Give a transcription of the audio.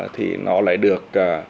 thì nó lại được